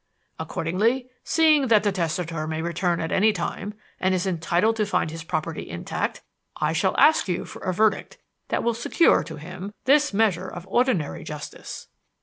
Accordingly, seeing that the testator may return at any time and is entitled to find his property intact, I shall ask you for a verdict that will secure to him this measure of ordinary justice."